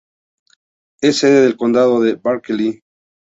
Es sede del condado de Berkeley.